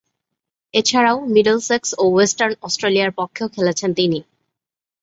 এছাড়াও, মিডলসেক্স ও ওয়েস্টার্ন অস্ট্রেলিয়ার পক্ষেও খেলেছেন তিনি।